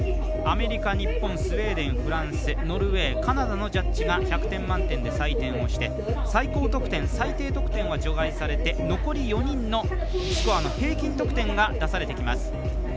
アメリカ、日本スウェーデン、フランスノルウェー、カナダのジャッジが１００点満点で採点をして最高得点最低得点は除外されて残り４人のスコアの平均得点が出されてきます。